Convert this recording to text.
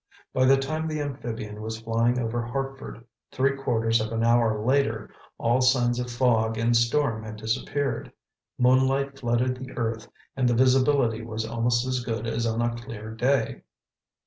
By the time the amphibian was flying over Hartford, three quarters of an hour later, all signs of fog and storm had disappeared. Moonlight flooded the earth and the visibility was almost as good as on a clear day.